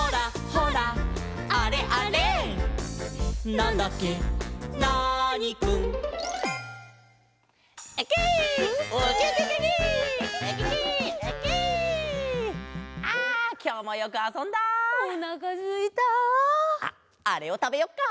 あっあれをたべよっか。